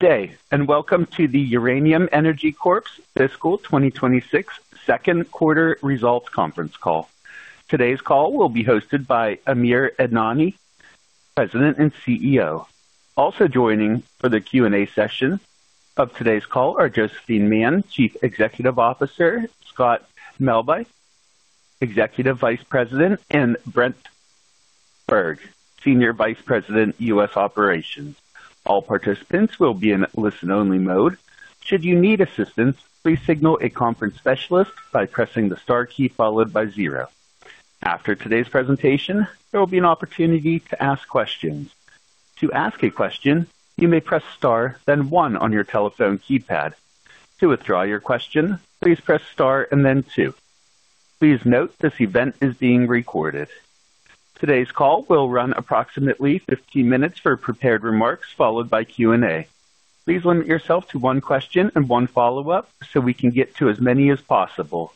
Day, and welcome to the Uranium Energy Corp.'s fiscal 2026 second quarter results conference call. Today's call will be hosted by Amir Adnani, President and CEO. Also joining for the Q&A session of today's call are Josephine Man, Chief Financial Officer, Scott Melbye, Executive Vice President, and Brent Berg, Senior Vice President, U.S. Operations. All participants will be in listen-only mode. Should you need assistance, please signal a conference specialist by pressing the star key followed by zero. After today's presentation, there will be an opportunity to ask questions. To ask a question, you may press star, then one on your telephone keypad. To withdraw your question, please press star and then two. Please note this event is being recorded. Today's call will run approximately 15-minutes for prepared remarks, followed by Q&A. Please limit yourself to one question and one follow-up so we can get to as many as possible.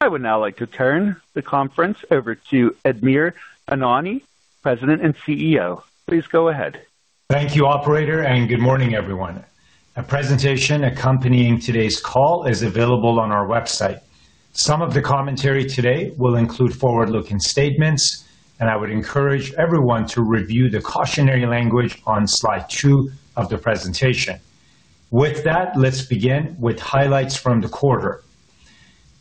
I would now like to turn the conference over to Amir Adnani, President and CEO. Please go ahead. Thank you, operator, and good morning, everyone. A presentation accompanying today's call is available on our website. Some of the commentary today will include forward-looking statements, and I would encourage everyone to review the cautionary language on slide two of the presentation. With that, let's begin with highlights from the quarter.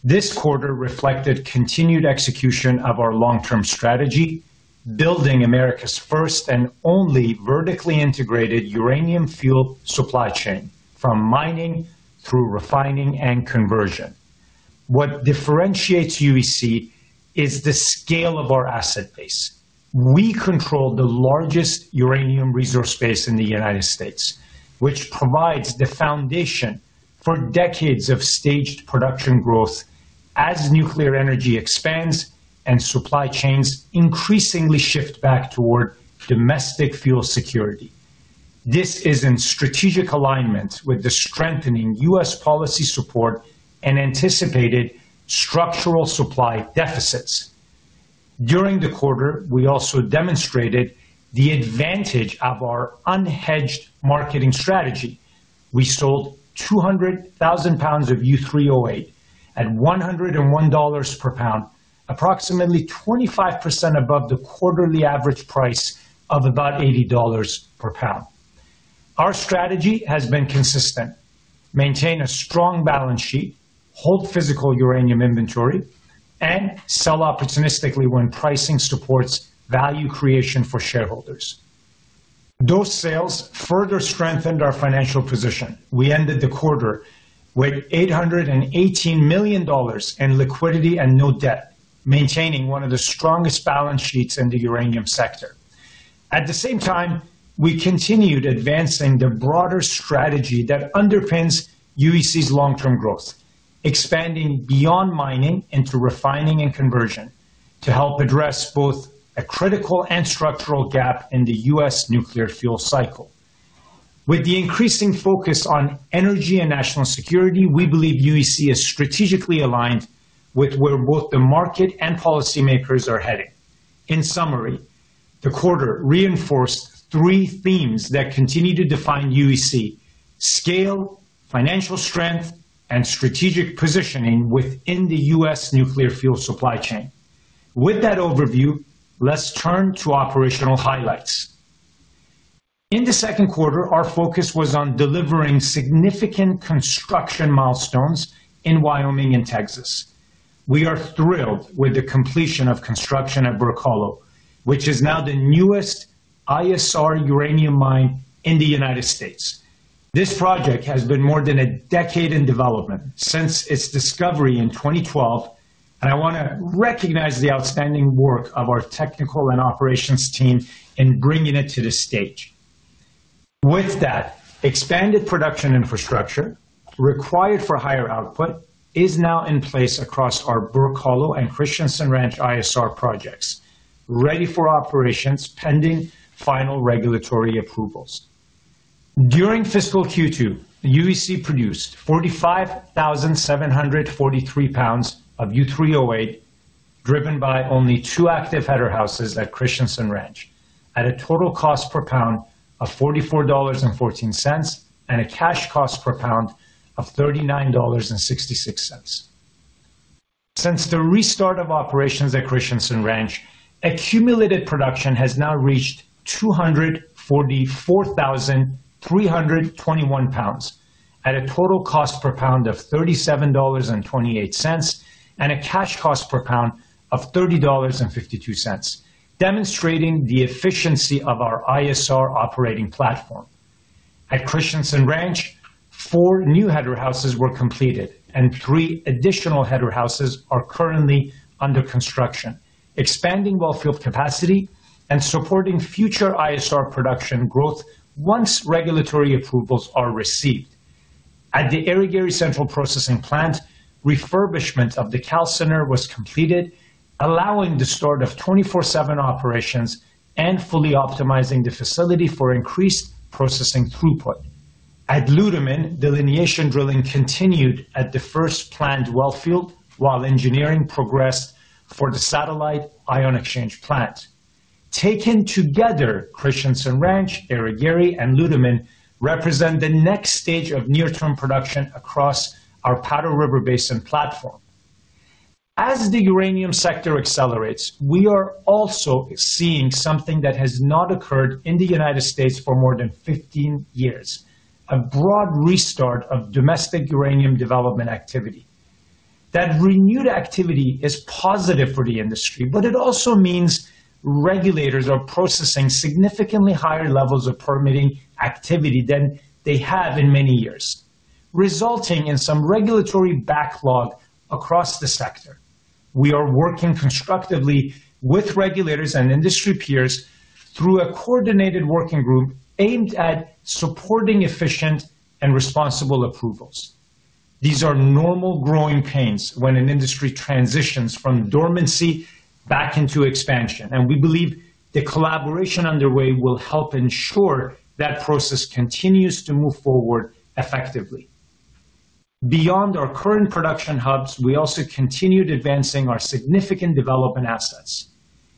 This quarter reflected continued execution of our long-term strategy, building America's first and only vertically integrated uranium fuel supply chain, from mining through refining and conversion. What differentiates UEC is the scale of our asset base. We control the largest uranium resource base in the United States, which provides the foundation for decades of staged production growth as nuclear energy expands and supply chains increasingly shift back toward domestic fuel security. This is in strategic alignment with the strengthening U.S. policy support and anticipated structural supply deficits. During the quarter, we also demonstrated the advantage of our unhedged marketing strategy. We sold 200,000 lbs of U3O8 at $101 per pound, approximately 25% above the quarterly average price of about $80 per pound. Our strategy has been consistent. Maintain a strong balance sheet, hold physical uranium inventory, and sell opportunistically when pricing supports value creation for shareholders. Those sales further strengthened our financial position. We ended the quarter with $818 million in liquidity and no debt, maintaining one of the strongest balance sheets in the uranium sector. At the same time, we continued advancing the broader strategy that underpins UEC's long-term growth, expanding beyond mining into refining and conversion to help address both a critical and structural gap in the U.S. nuclear fuel cycle. With the increasing focus on energy and national security, we believe UEC is strategically aligned with where both the market and policymakers are heading. In summary, the quarter reinforced three themes that continue to define UEC, scale, financial strength, and strategic positioning within the U.S. nuclear fuel supply chain. With that overview, let's turn to operational highlights. In the second quarter, our focus was on delivering significant construction milestones in Wyoming and Texas. We are thrilled with the completion of construction at Burke Hollow, which is now the newest ISR uranium mine in the United States. This project has been more than a decade in development since its discovery in 2012, and I want to recognize the outstanding work of our technical and operations team in bringing it to this stage. With that expanded production infrastructure required for higher output is now in place across our Burke Hollow and Christensen Ranch ISR projects, ready for operations pending final regulatory approvals. During fiscal Q2, UEC produced 45,743 lbs of U3O8, driven by only two active header houses at Christensen Ranch at a total cost per pound of $44.14, and a cash cost per pound of $39.66. Since the restart of operations at Christensen Ranch, accumulated production has now reached 244,321 lbs at a total cost per pound of $37.28, and a cash cost per pound of $30.52, demonstrating the efficiency of our ISR operating platform. At Christensen Ranch, four new header houses were completed and three additional header houses are currently under construction, expanding wellfield capacity and supporting future ISR production growth once regulatory approvals are received. At the Irigaray Central Processing Plant, refurbishment of the calciner was completed, allowing the start of 24/7 operations and fully optimizing the facility for increased processing throughput. At Ludeman, delineation drilling continued at the first planned wellfield while engineering progressed for the satellite ion exchange plant. Taken together, Christensen Ranch, Irigaray, and Ludeman represent the next stage of near-term production across our Powder River Basin platform. As the uranium sector accelerates, we are also seeing something that has not occurred in the United States for more than 15-years, a broad restart of domestic uranium development activity. That renewed activity is positive for the industry, but it also means regulators are processing significantly higher levels of permitting activity than they have in many years, resulting in some regulatory backlog across the sector. We are working constructively with regulators and industry peers through a coordinated working group aimed at supporting efficient and responsible approvals. These are normal growing pains when an industry transitions from dormancy back into expansion, and we believe the collaboration underway will help ensure that process continues to move forward effectively. Beyond our current production hubs, we also continued advancing our significant development assets.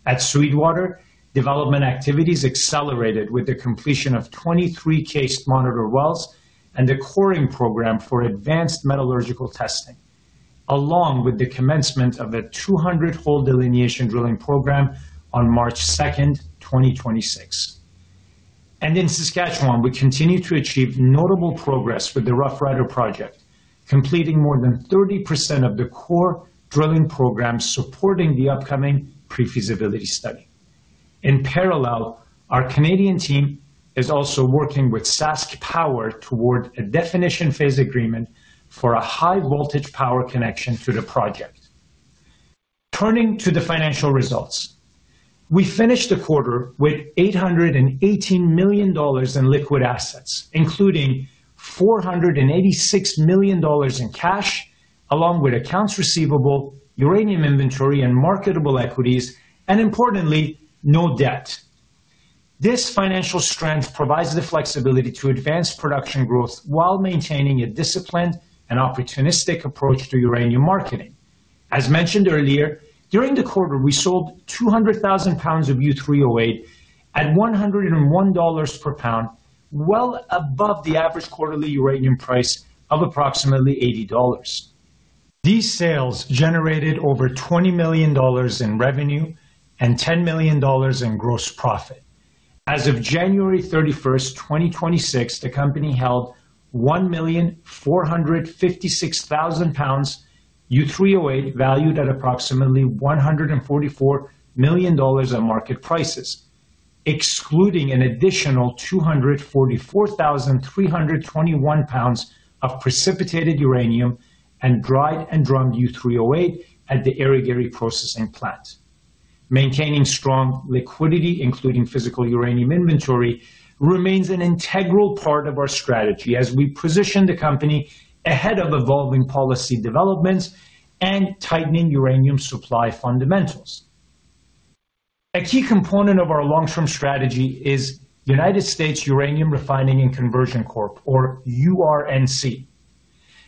At Sweetwater, development activities accelerated with the completion of 23 cased monitor wells and the coring program for advanced metallurgical testing, along with the commencement of a 200-hole delineation drilling program on March 2, 2026. In Saskatchewan, we continue to achieve notable progress with the Rough Rider project, completing more than 30% of the core drilling program supporting the upcoming pre-feasibility study. In parallel, our Canadian team is also working with SaskPower toward a definition phase agreement for a high voltage power connection to the project. Turning to the financial results. We finished the quarter with $818 million in liquid assets, including $486 million in cash, along with accounts receivable, uranium inventory, and marketable equities, and importantly, no debt. This financial strength provides the flexibility to advance production growth while maintaining a disciplined and opportunistic approach to uranium marketing. As mentioned earlier, during the quarter, we sold 200,000 lbs of U3O8 at $101 per pound, well above the average quarterly uranium price of approximately $80. These sales generated over $20 million in revenue and $10 million in gross profit. As of January 31, 2026, the company held 1,456,000 lbs U3O8, valued at approximately $144 million on market prices, excluding an additional 244,321 lbs of precipitated uranium and dried and drummed U3O8 at the Irigaray processing plant. Maintaining strong liquidity, including physical uranium inventory, remains an integral part of our strategy as we position the company ahead of evolving policy developments and tightening uranium supply fundamentals. A key component of our long-term strategy is United States Uranium Refining & Conversion Corp., or UR&C.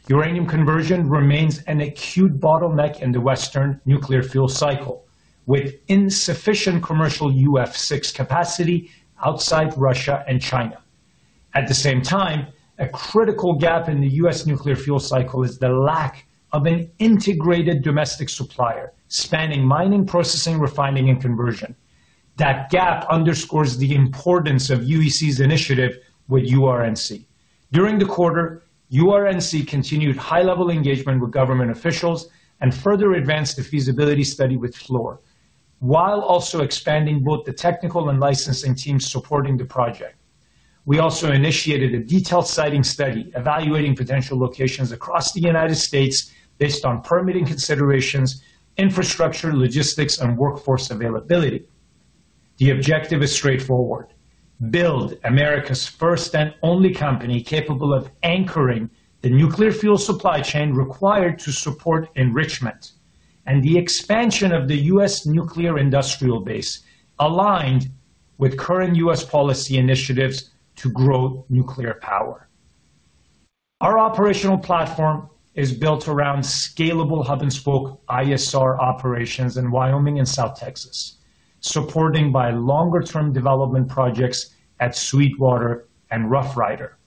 Uranium conversion remains an acute bottleneck in the western nuclear fuel cycle, with insufficient commercial UF6 capacity outside Russia and China. At the same time, a critical gap in the U.S. nuclear fuel cycle is the lack of an integrated domestic supplier spanning mining, processing, refining, and conversion. That gap underscores the importance of UEC's initiative with UR&C. During the quarter, UR&C continued high-level engagement with government officials and further advanced the feasibility study with Fluor, while also expanding both the technical and licensing teams supporting the project. We also initiated a detailed siting study evaluating potential locations across the United States based on permitting considerations, infrastructure, logistics, and workforce availability. The objective is straightforward: build America's first and only company capable of anchoring the nuclear fuel supply chain required to support enrichment and the expansion of the U.S. nuclear industrial base aligned with current U.S. policy initiatives to grow nuclear power. Our operational platform is built around scalable hub and spoke ISR operations in Wyoming and South Texas, supported by longer-term development projects at Sweetwater and Rough Rider.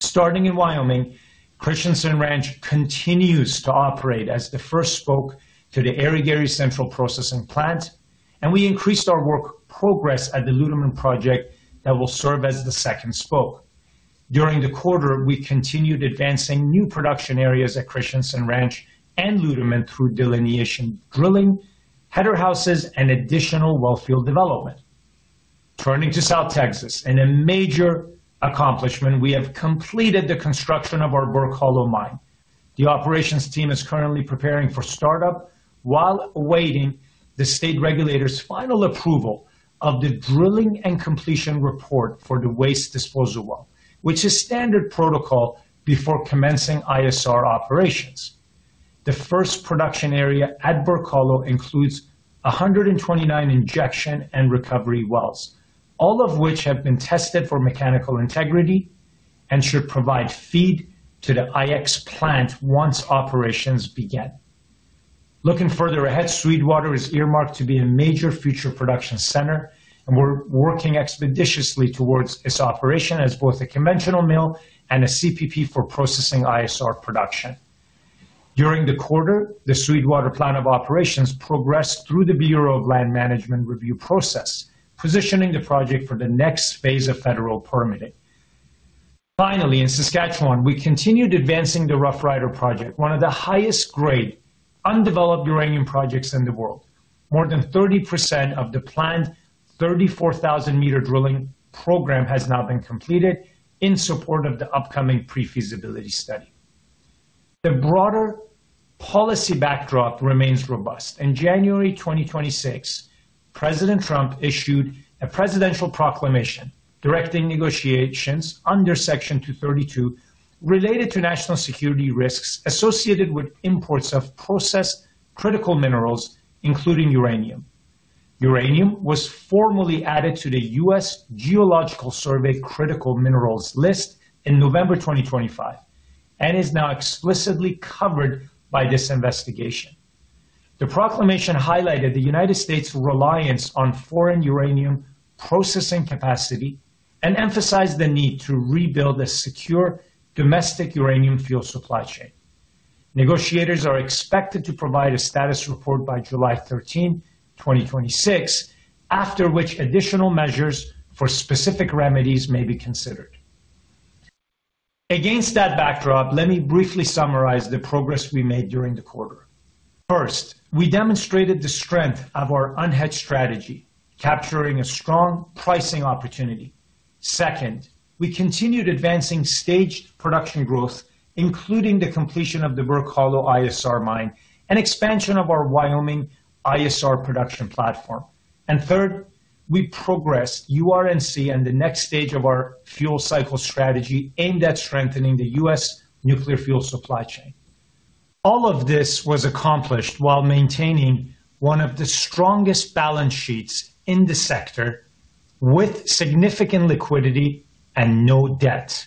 Starting in Wyoming, Christensen Ranch continues to operate as the first spoke to the Irigaray central processing plant, and we increased our work progress at the Lyman project that will serve as the second spoke. During the quarter, we continued advancing new production areas at Christensen Ranch and Lyman through delineation drilling, header houses, and additional wellfield development. Turning to South Texas. In a major accomplishment, we have completed the construction of our Burke Hollow Mine. The operations team is currently preparing for startup while awaiting the state regulator's final approval of the drilling and completion report for the waste disposal well, which is standard protocol before commencing ISR operations. The first production area at Burke Hollow includes 129 injection and recovery wells, all of which have been tested for mechanical integrity. It should provide feed to the IX plant once operations begin. Looking further ahead, Sweetwater is earmarked to be a major future production center, and we're working expeditiously towards its operation as both a conventional mill and a CPP for processing ISR production. During the quarter, the Sweetwater plan of operations progressed through the Bureau of Land Management review process, positioning the project for the next phase of federal permitting. Finally, in Saskatchewan, we continued advancing the Rough Rider project, one of the highest grade undeveloped uranium projects in the world. More than 30% of the planned 34,000-meter drilling program has now been completed in support of the upcoming pre-feasibility study. The broader policy backdrop remains robust. In January 2026, President Trump issued a presidential proclamation directing negotiations under Section 232 related to national security risks associated with imports of processed critical minerals, including uranium. Uranium was formally added to the U.S. Geological Survey Critical Minerals List in November 2025 and is now explicitly covered by this investigation. The proclamation highlighted the United States reliance on foreign uranium processing capacity and emphasized the need to rebuild a secure domestic uranium fuel supply chain. Negotiators are expected to provide a status report by July 13, 2026, after which additional measures for specific remedies may be considered. Against that backdrop, let me briefly summarize the progress we made during the quarter. First, we demonstrated the strength of our unhedged strategy, capturing a strong pricing opportunity. Second, we continued advancing staged production growth, including the completion of the Burke Hollow ISR mine and expansion of our Wyoming ISR production platform. Third, we progressed UR&C and the next stage of our fuel cycle strategy aimed at strengthening the U.S. nuclear fuel supply chain. All of this was accomplished while maintaining one of the strongest balance sheets in the sector with significant liquidity and no debt.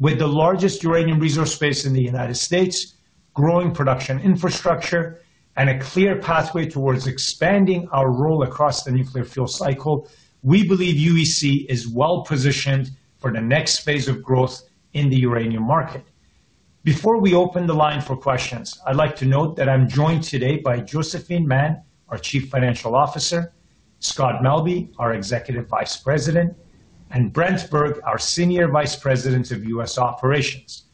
With the largest uranium resource base in the United States, growing production infrastructure, and a clear pathway towards expanding our role across the nuclear fuel cycle, we believe UEC is well positioned for the next phase of growth in the uranium market. Before we open the line for questions, I'd like to note that I'm joined today by Josephine Man, our Chief Financial Officer, Scott Melbye, our Executive Vice President, and Brent Berg, our Senior Vice President of U.S. Operations.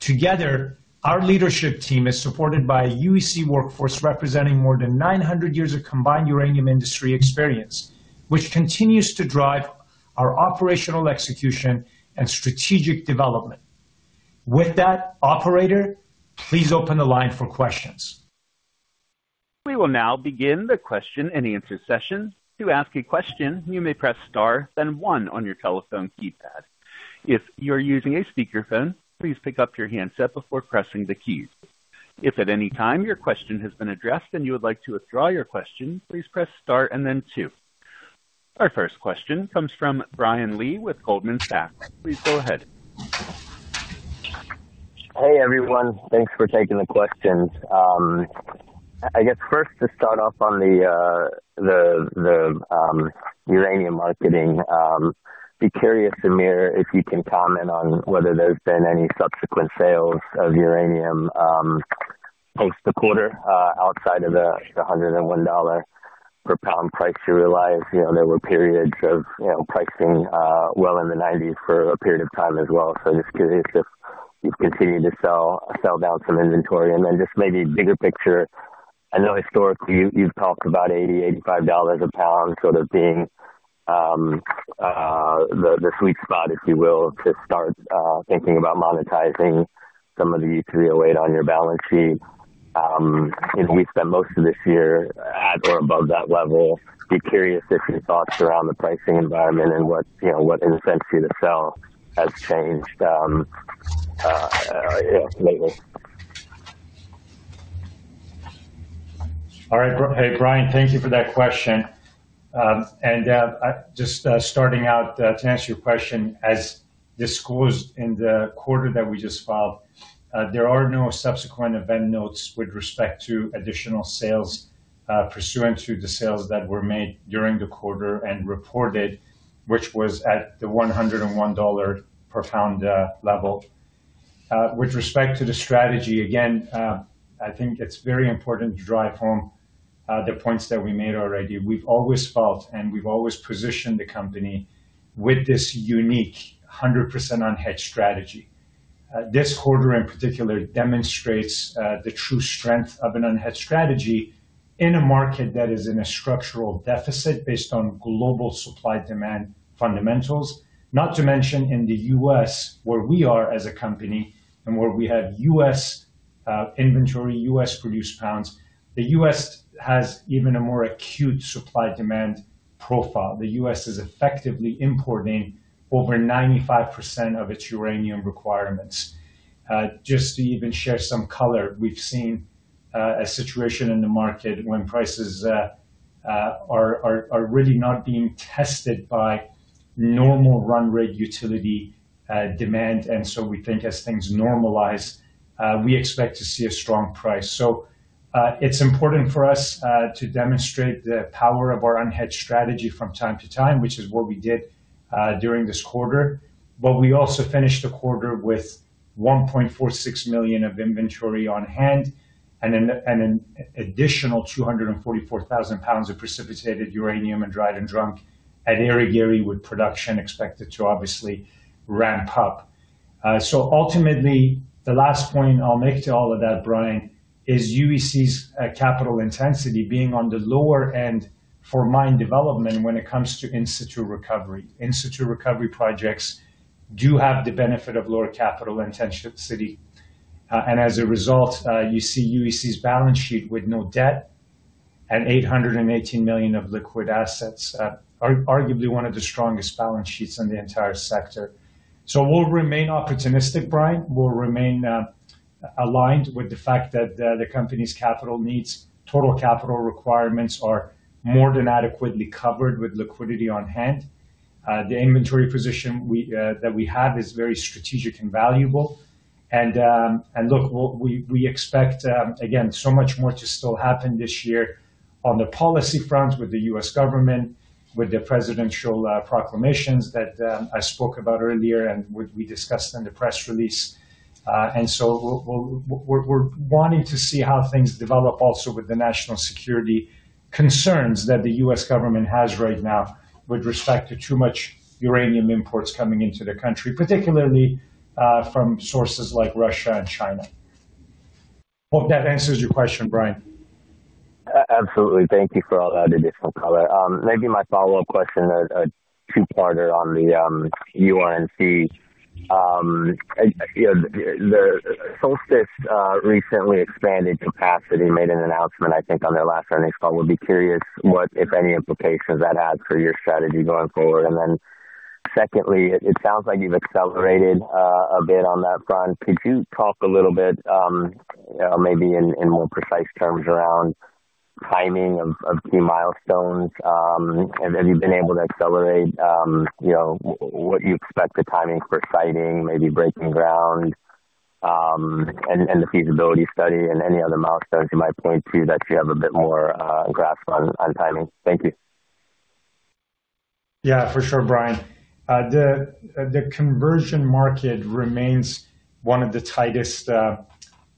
Together, our leadership team is supported by a UEC workforce representing more than 900-years of combined uranium industry experience, which continues to drive our operational execution and strategic development. With that operator, please open the line for questions. We will now begin the question-and-answer session. To ask a question, you may press star, then one on your telephone keypad. If you're using a speakerphone, please pick up your handset before pressing the keys. If at any time your question has been addressed and you would like to withdraw your question, please press star and then two. Our first question comes from Brian Lee with Goldman Sachs. Please go ahead. Hey, everyone. Thanks for taking the questions. I guess first to start off on the uranium marketing. I'd be curious, Amir, if you can comment on whether there's been any subsequent sales of uranium post the quarter outside of the $101 per pound price you realized. You know, there were periods of, you know, pricing well in the 90s for a period of time as well. So just curious if you've continued to sell down some inventory. Then just maybe bigger picture. I know historically you've talked about $80-$85 a pound sort of being the sweet spot, if you will, to start thinking about monetizing some of the U3O8 on your balance sheet. You know, we spent most of this year at or above that level. I'm curious if your thoughts around the pricing environment and what, you know, what incent you to sell has changed, you know, lately. All right. Hey, Brian, thank you for that question. Just starting out to answer your question as disclosed in the quarter that we just filed, there are no subsequent event notes with respect to additional sales pursuant to the sales that were made during the quarter and reported, which was at the $101 per pound level. With respect to the strategy, again, I think it's very important to drive home the points that we made already. We've always felt, and we've always positioned the company with this unique 100% unhedged strategy. This quarter in particular demonstrates the true strength of an unhedged strategy in a market that is in a structural deficit based on global supply demand fundamentals. Not to mention in the U.S., where we are as a company and where we have U.S. inventory, U.S. produced pounds. The U.S. has even a more acute supply demand profile. The U.S. is effectively importing over 95% of its uranium requirements. Just to even share some color, we've seen a situation in the market when prices, Are really not being tested by normal run rate utility demand. We think as things normalize, we expect to see a strong price. It's important for us to demonstrate the power of our unhedged strategy from time to time, which is what we did during this quarter. We also finished the quarter with 1.46 million of inventory on hand and an additional 244,000 lbs of precipitated uranium and dried and drummed at Irigaray, with production expected to obviously ramp up. Ultimately, the last point I'll make to all of that, Brian, is UEC's capital intensity being on the lower end for mine development when it comes to in-situ recovery. In-situ recovery projects do have the benefit of lower capital intensity. As a result, you see UEC's balance sheet with no debt and $880 million of liquid assets, arguably one of the strongest balance sheets in the entire sector. We'll remain opportunistic, Brian. We'll remain aligned with the fact that the company's capital needs, total capital requirements are more than adequately covered with liquidity on hand. The inventory position that we have is very strategic and valuable. Look, we expect, again, so much more to still happen this year on the policy front with the U.S. government, with the presidential proclamations that I spoke about earlier and as we discussed in the press release. We're wanting to see how things develop also with the national security concerns that the U.S. government has right now with respect to too much uranium imports coming into the country, particularly, from sources like Russia and China. Hope that answers your question, Brian. Absolutely. Thank you for all that additional color. Maybe my follow-up question, a two parter on the UR&C. You know, the Solstice recently expanded capacity, made an announcement, I think, on their last earnings call. Would be curious what, if any, implications that has for your strategy going forward. Secondly, it sounds like you've accelerated a bit on that front. Could you talk a little bit, you know, maybe in more precise terms around timing of key milestones, and have you been able to accelerate, you know, what you expect the timing for siting, maybe breaking ground, and the feasibility study and any other milestones you might point to that you have a bit more grasp on timing. Thank you. Yeah, for sure, Brian. The conversion market remains one of the tightest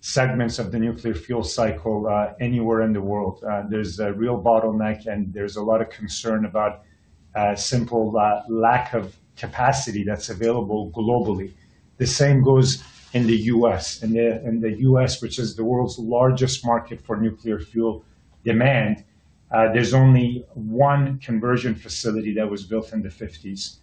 segments of the nuclear fuel cycle anywhere in the world. There's a real bottleneck, and there's a lot of concern about simple lack of capacity that's available globally. The same goes in the U.S. In the U.S., which is the world's largest market for nuclear fuel demand, there's only one conversion facility that was built in the 1950s.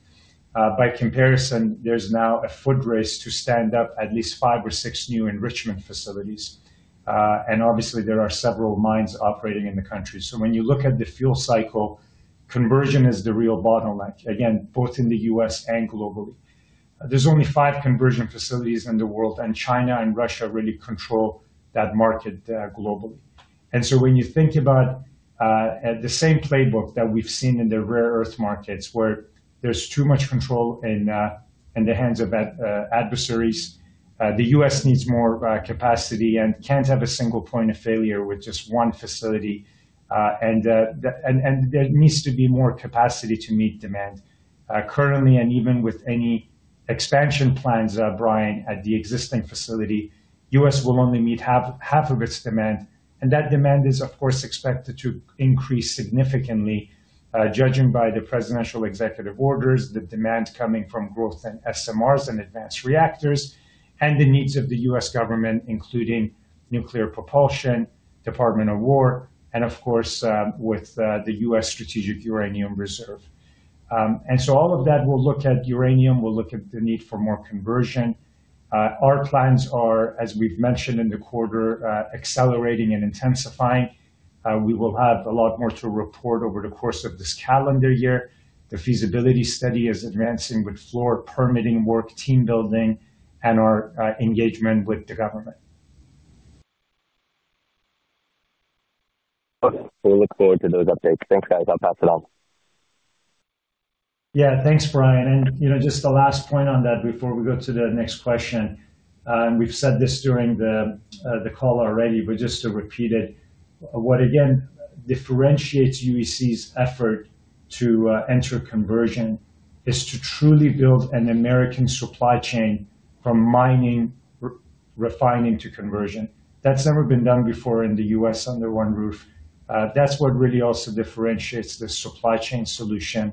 By comparison, there's now a foot race to stand up at least five or six new enrichment facilities. And obviously there are several mines operating in the country. When you look at the fuel cycle, conversion is the real bottleneck, again, both in the U.S. and globally. There's only five conversion facilities in the world, and China and Russia really control that market globally. when you think about the same playbook that we've seen in the rare earth markets, where there's too much control in the hands of adversaries, the U.S. needs more capacity and can't have a single point of failure with just one facility. there needs to be more capacity to meet demand. currently, and even with any expansion plans, Brian, at the existing facility, U.S. will only meet half of its demand. that demand is, of course, expected to increase significantly, judging by the presidential executive orders, the demand coming from growth in SMRs and advanced reactors, and the needs of the U.S. government, including nuclear propulsion, Department of Defense, and of course, with the National Strategic Uranium Reserve. All of that will look at uranium, will look at the need for more conversion. We will have a lot more to report over the course of this calendar year. The feasibility study is advancing with Fluor permitting work, team building, and our engagement with the government. Okay. We look forward to those updates. Thanks, guys. I'll pass it on. Yeah. Thanks, Brian. You know, just the last point on that before we go to the next question, and we've said this during the call already, but just to repeat it. What again differentiates UEC's effort to enter conversion is to truly build an American supply chain from mining, refining to conversion. That's never been done before in the U.S. under one roof. That's what really also differentiates the supply chain solution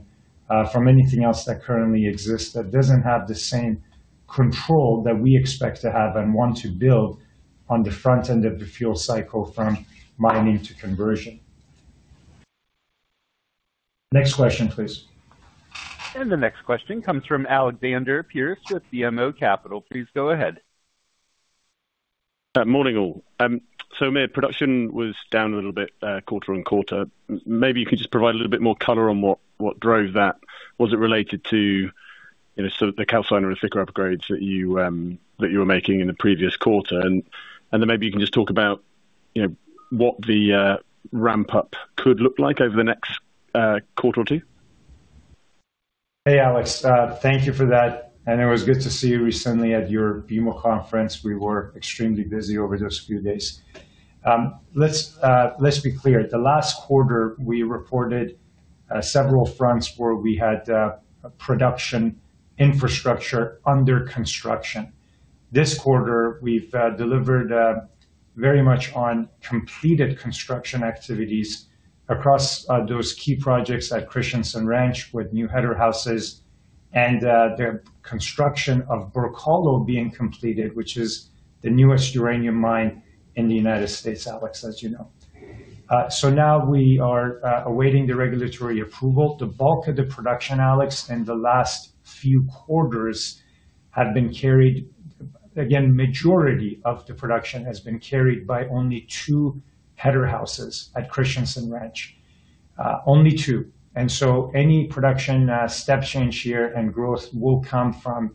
from anything else that currently exists that doesn't have the same control that we expect to have and want to build on the front end of the fuel cycle from mining to conversion. Next question, please. The next question comes from Alexander Pearce with BMO Capital Markets. Please go ahead. Morning, all. Amir, production was down a little bit, quarter-over-quarter. Maybe you could just provide a little bit more color on what drove that. Was it related to, you know, so the Hey, Alex, thank you for that, and it was good to see you recently at your BMO conference. We were extremely busy over those few days. Let's be clear. The last quarter, we reported several fronts where we had production infrastructure under construction. This quarter, we've delivered very much on completed construction activities across those key projects at Christensen Ranch with new header houses and the construction of Burke Hollow being completed, which is the newest uranium mine in the United States, Alex, as you know. Now we are awaiting the regulatory approval. The bulk of the production, Alex, in the last few quarters have been carried by only two header houses at Christensen Ranch. Again, majority of the production has been carried by only two header houses at Christensen Ranch. Only two. Any production, step change here and growth will come from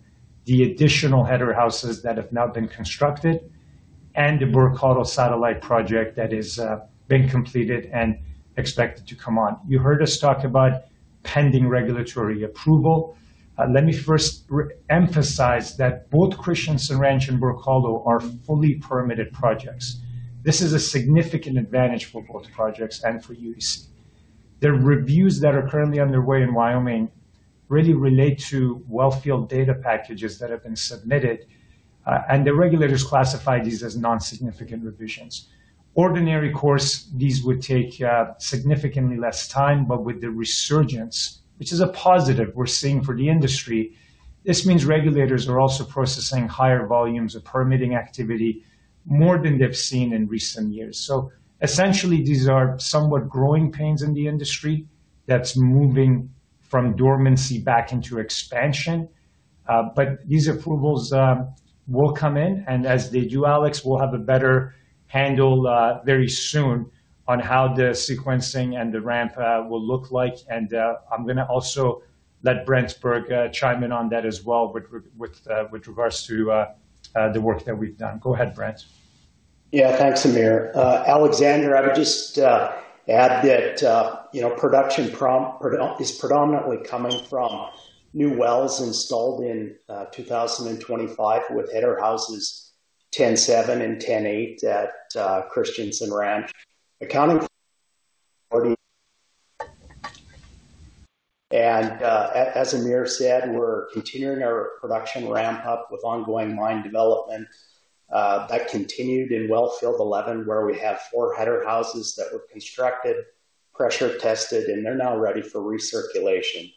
the additional header houses that have now been constructed and the Burke Hollow satellite project that is, being completed and expected to come on. You heard us talk about pending regulatory approval. Let me first emphasize that both Christensen Ranch and Burke Hollow are fully permitted projects. This is a significant advantage for both projects and for UEC. The reviews that are currently underway in Wyoming really relate to wellfield data packages that have been submitted, and the regulators classify these as non-significant revisions. In the ordinary course, these would take significantly less time, but with the resurgence, which is a positive we're seeing for the industry, this means regulators are also processing higher volumes of permitting activity more than they've seen in recent years. Essentially, these are somewhat growing pains in the industry that's moving from dormancy back into expansion. These approvals will come in, and as they do, Alex, we'll have a better handle very soon on how the sequencing and the ramp up will look like. I'm gonna also let Brent Berg chime in on that as well with regards to the work that we've done. Go ahead, Brent. Yeah. Thanks, Amir. Alexander, I would just add that, you know, production is predominantly coming from new wells installed in 2025 with header houses 107 and 108 at Christensen Ranch. Accounting for, as Amir said, we're continuing our production ramp up with ongoing mine development. That continued in wellfield 11, where we have four header houses that were constructed, pressure tested, and they're now ready for recirculation.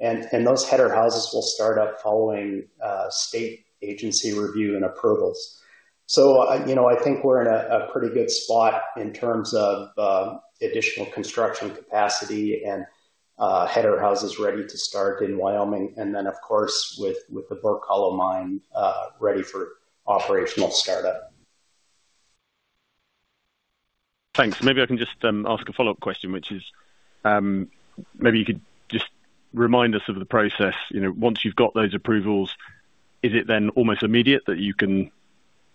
Those header houses will start up following state agency review and approvals. You know, I think we're in a pretty good spot in terms of additional construction capacity and header houses ready to start in Wyoming, and then of course, with the Burke Hollow mine ready for operational startup. Thanks. Maybe I can just ask a follow-up question, which is, maybe you could just remind us of the process. You know, once you've got those approvals, is it then almost immediate that you can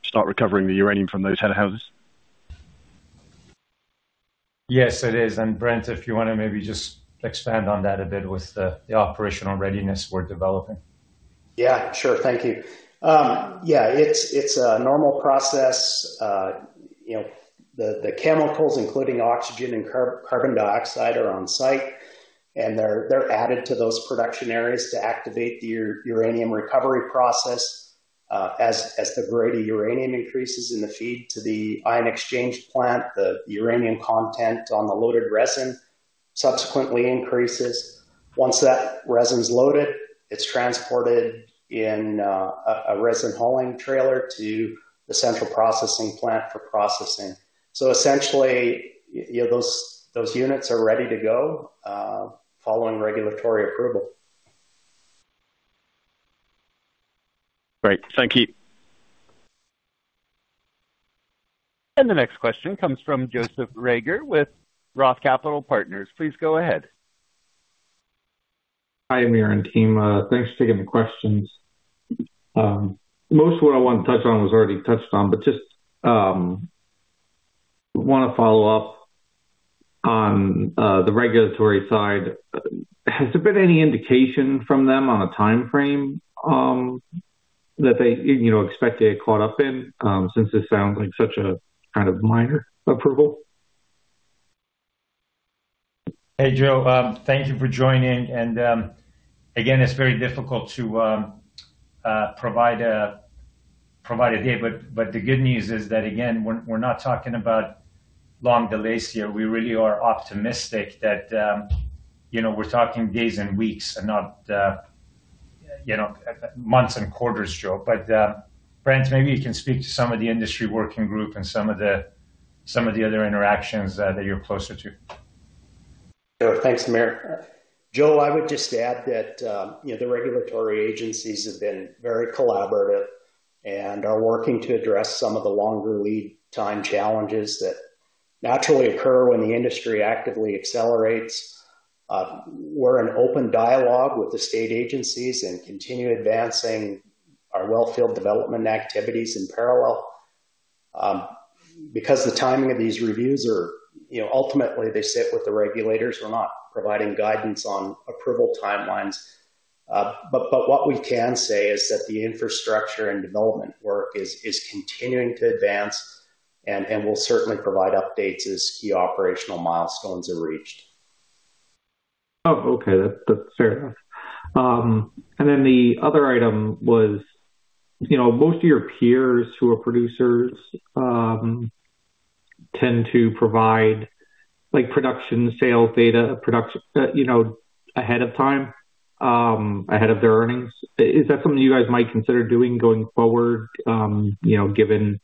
start recovering the uranium from those header houses? Yes, it is. Brent, if you wanna maybe just expand on that a bit with the operational readiness we're developing. Yeah. Sure. Thank you. Yeah, it's a normal process. You know, the chemicals including oxygen and carbon dioxide are on site, and they're added to those production areas to activate the uranium recovery process. As the grade of uranium increases in the feed to the ion exchange plant, the uranium content on the loaded resin subsequently increases. Once that resin is loaded, it's transported in a resin hauling trailer to the central processing plant for processing. Essentially, you know, those units are ready to go, following regulatory approval. Great. Thank you. The next question comes from Joseph Reagor with Roth Capital Partners. Please go ahead. Hi, Amir and team. Thanks for taking the questions. Most of what I wanted to touch on was already touched on, but just wanna follow up on the regulatory side. Has there been any indication from them on a timeframe that they, you know, expect to get caught up in, since this sounds like such a kind of minor approval? Hey, Joe. Thank you for joining. Again, it's very difficult to provide a date, but the good news is that, again, we're not talking about long delays here. We really are optimistic that, you know, we're talking days and weeks and not, you know, months and quarters, Joe. Brent, maybe you can speak to some of the industry working group and some of the other interactions that you're closer to. Sure. Thanks, Amir. Joe, I would just add that, you know, the regulatory agencies have been very collaborative and are working to address some of the longer lead time challenges tha, Naturally occur when the industry actively accelerates. We're in open dialogue with the state agencies and continue advancing our wellfield development activities in parallel. Because the timing of these reviews are, you know, ultimately they sit with the regulators. We're not providing guidance on approval timelines. But what we can say is that the infrastructure and development work is continuing to advance and we'll certainly provide updates as key operational milestones are reached. Oh, okay. That's fair enough. And then the other item was, you know, most of your peers who are producers tend to provide, like, production sales data, you know, ahead of time, ahead of their earnings. Is that something you guys might consider doing going forward? You know, given,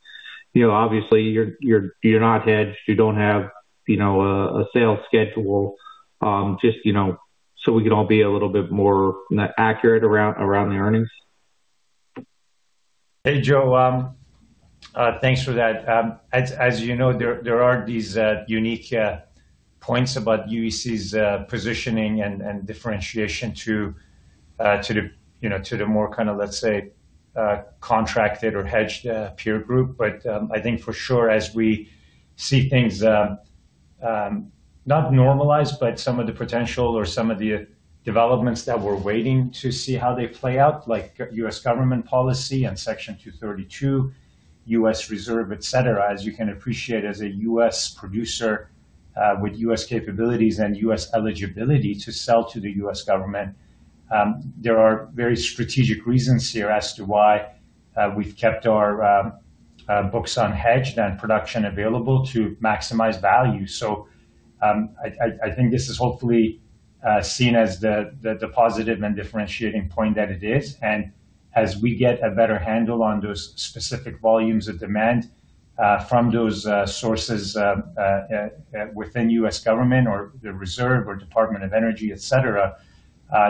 you know, obviously you're not hedged. You don't have, you know, a sales schedule, just, you know, so we can all be a little bit more accurate around the earnings. Hey, Joe. Thanks for that. As you know, there are these unique points about UEC's positioning and differentiation to the more kind of, let's say, contracted or hedged peer group. I think for sure as we see things not normalize, but some of the potential or some of the developments that we're waiting to see how they play out, like U.S. government policy and Section 232, U.S. Reserve, et cetera. As you can appreciate, as a U.S. producer with U.S. capabilities and U.S. eligibility to sell to the U.S. government, there are very strategic reasons here as to why we've kept our books unhedged and production available to maximize value. I think this is hopefully seen as the positive and differentiating point that it is. As we get a better handle on those specific volumes of demand from those sources within U.S. government or the Reserve or Department of Energy, et cetera,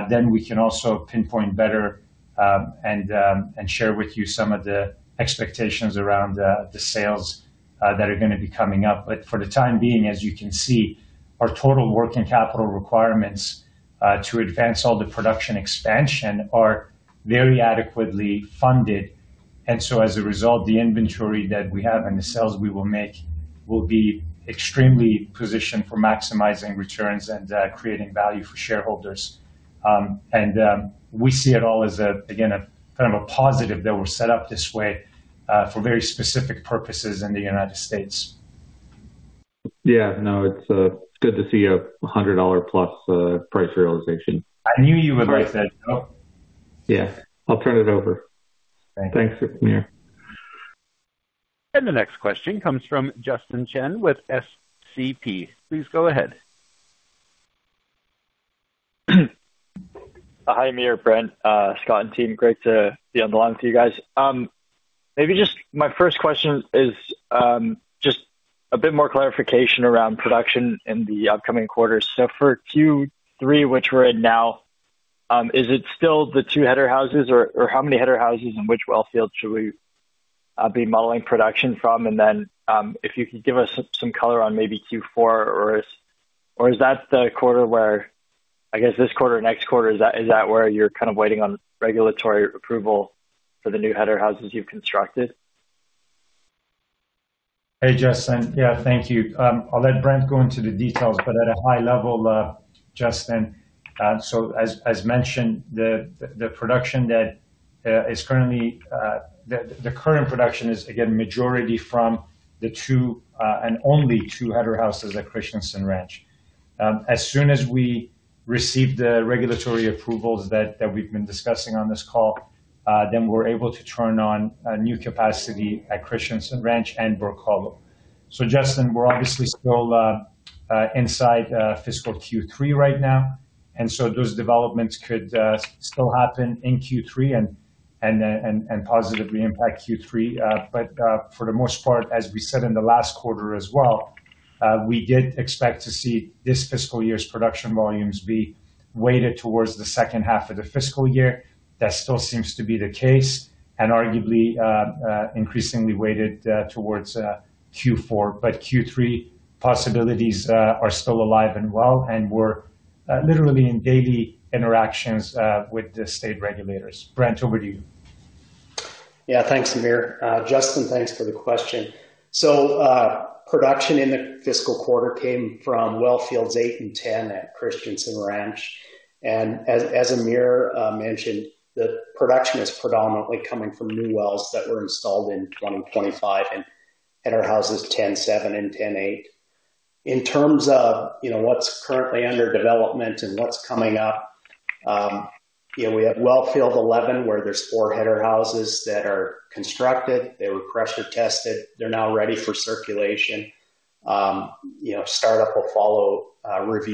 then we can also pinpoint better and share with you some of the expectations around the sales that are gonna be coming up. For the time being, as you can see, our total working capital requirements to advance all the production expansion are very adequately funded. As a result, the inventory that we have and the sales we will make will be extremely positioned for maximizing returns and creating value for shareholders. we see it all as a, again, a kind of a positive that we're set up this way, for very specific purposes in the United States. Yeah. No, it's good to see a $100 plus price realization. I knew you would like that, Joe. Yeah. I'll turn it over. Thank you. Thanks, Amir. The next question comes from Justin Chen with SCP. Please go ahead. Hi, Amir, Brent, Scott, and team. Great to be on the line with you guys. Maybe just my first question is, just a bit more clarification around production in the upcoming quarters. For Q3, which we're in now, is it still the two header houses or how many header houses and which well field should we be modeling production from? And then, if you could give us some color on maybe Q4 or is that the quarter where I guess this quarter, next quarter, is that where you're kind of waiting on regulatory approval for the new header houses you've constructed? Hey, Justin. Yeah, thank you. I'll let Brent go into the details, but at a high level, Justin, so as mentioned, the production that is currently the current production is again majority from the two and only two header houses at Christensen Ranch. As soon as we receive the regulatory approvals that we've been discussing on this call, then we're able to turn on new capacity at Christensen Ranch and Burke Hollow. Justin, we're obviously still inside fiscal Q3 right now, and so those developments could still happen in Q3 and positively impact Q3. For the most part, as we said in the last quarter as well, we did expect to see this fiscal year's production volumes be weighted towards the second half of the fiscal year. That still seems to be the case and arguably, increasingly weighted towards Q4. Q3 possibilities are still alive and well, and we're literally in daily interactions with the state regulators. Brent, over to you. Yeah. Thanks, Amir. Justin, thanks for the question. So, production in the fiscal quarter came from well fields eight and 10 at Christensen Ranch. As Amir mentioned, the production is predominantly coming from new wells that were installed in 2025 and header houses 10-7 and 10-8. In terms of, you know, what's currently under development and what's coming up, you know, we have well field 11, where there's four header houses that are constructed. They were pressure tested. They're now ready for circulation. Startup will follow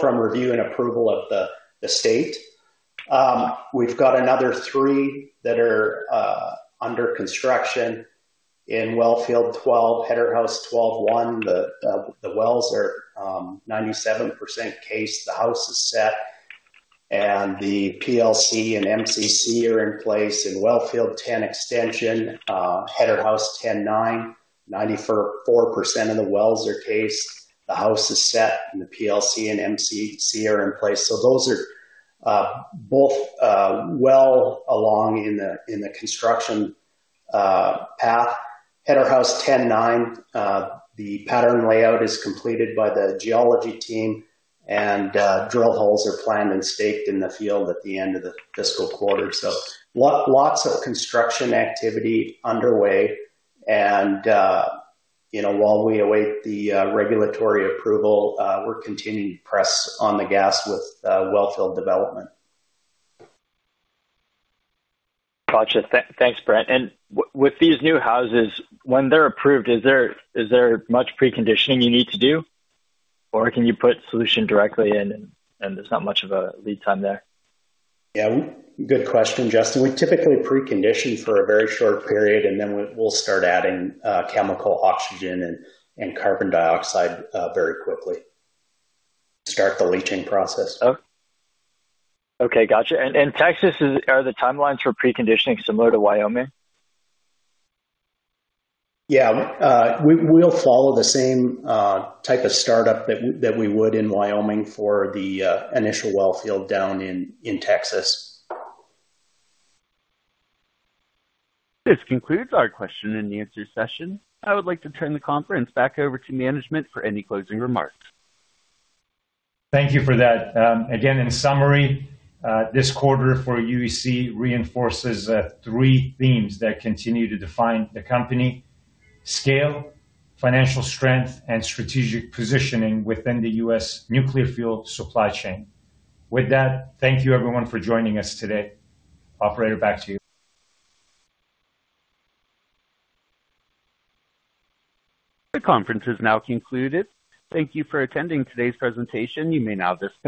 from review and approval of the state. We've got another three that are under construction in well field 12, header house 12-1. The wells are 97% cased. The house is set. The PLC and MCC are in place in wellfield 10 extension, header house 10-9. 94.4% of the wells are cased. Those are both well along in the construction path. Header house 10-9, the pattern layout is completed by the geology team and drill holes are planned and staked in the field at the end of the fiscal quarter. Lots of construction activity underway and, you know, while we await the regulatory approval, we're continuing to press on the gas with wellfield development. Gotcha. Thanks, Brent. With these new houses when they're approved, is there much preconditioning you need to do, or can you put solution directly in and there's not much of a lead time there? Yeah. Good question, Justin. We typically precondition for a very short period, and then we'll start adding chemical oxygen and carbon dioxide very quickly to start the leaching process. Oh, okay. Gotcha. In Texas, are the timelines for preconditioning similar to Wyoming? Yeah. We'll follow the same type of startup that we would in Wyoming for the initial wellfield down in Texas. This concludes our question and answer session. I would like to turn the conference back over to management for any closing remarks. Thank you for that. Again, in summary, this quarter for UEC reinforces the three themes that continue to define the company, scale, financial strength, and strategic positioning within the U.S. nuclear fuel supply chain. With that, thank you everyone for joining us today. Operator, back to you. The conference is now concluded. Thank you for attending today's presentation. You may now disconnect.